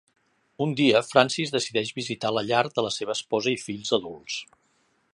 Un dia, Francis decideix visitar la llar de la seva esposa i fills adults.